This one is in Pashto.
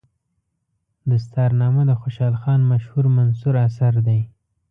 دستارنامه د خوشحال خان مشهور منثور اثر دی.